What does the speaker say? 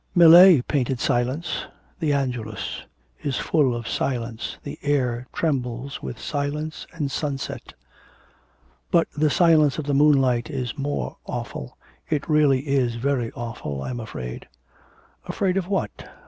'Millet painted silence. "The Angelus" is full of silence, the air trembles with silence and sunset.' 'But the silence of the moonlight is more awful, it really is very awful, I'm afraid.' 'Afraid of what?